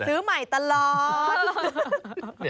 ซื้อใหม่ตลอด